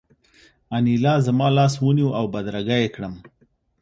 انیلا زما لاس ونیو او بدرګه یې کړم